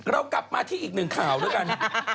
เรากลับมาที่อีกหนึ่งข่าวด้วยกัน